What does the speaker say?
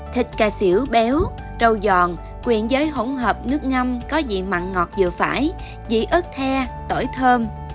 bốn thịt cà xỉu béo rau giòn quyện với hỗn hợp nước ngâm có vị mặn ngọt dừa phải vị ớt the tỏi thơm